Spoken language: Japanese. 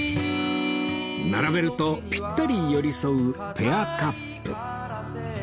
並べるとぴったり寄り添うペアカップ